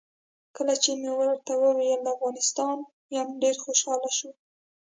کله چې مې ورته وویل د افغانستان یم ډېر خوشاله شو.